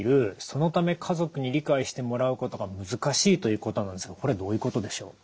そのため家族に理解してもらうことが難しいということなんですけどこれどういうことでしょう？